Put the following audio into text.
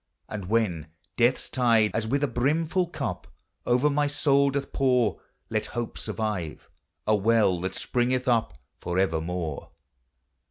255 And when death's tide, as with a brimful cup, Over inv soul doth pour, Let hope survive, — a well that springeth up Forevermore